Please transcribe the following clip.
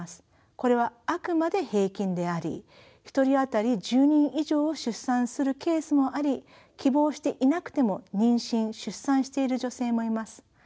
これはあくまで平均であり１人あたり１０人以上を出産するケースもあり希望していなくても妊娠出産している女性もいます。